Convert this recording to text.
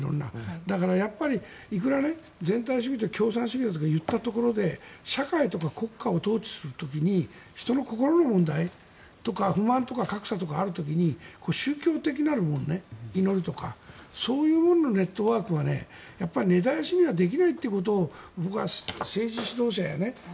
だからやっぱり、いくら全体主義だとか共産主義かとかいったところで社会とか国家を統治する時に人の心の問題とか不満と価格差とかある時に宗教的なるもの祈りとかそういうもののネットワークはこの惑星のイタリアでは Ｌｅｏｎａｒｄｏ！